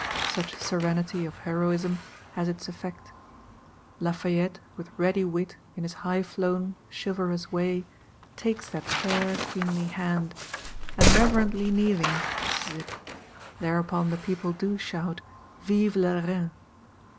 Such serenity of heroism has its effect. Lafayette, with ready wit, in his highflown chivalrous way, takes that fair queenly hand; and reverently kneeling, kisses it: thereupon the people do shout Vive la Reine.